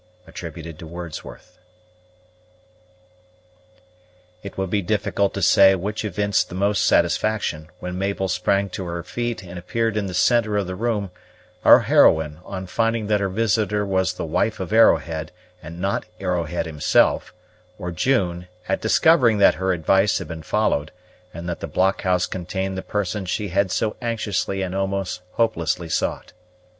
WORDSWORTH. It would be difficult to say which evinced the most satisfaction, when Mabel sprang to her feet and appeared in the centre of the room, our heroine, on finding that her visitor was the wife of Arrowhead, and not Arrowhead himself, or June, at discovering that her advice had been followed, and that the blockhouse contained the person she had so anxiously and almost hopelessly sought.